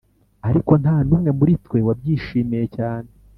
ariko nta numwe muri twe wabyishimiye cyane